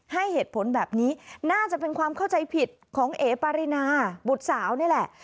ให้เหตุผลแบบนี้น่าจะเป็นความเข้าใจผิดของเอ๋ปารินาบุตรสาวนี่แหละ